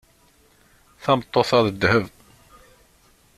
Tameṭṭut-a d dheb.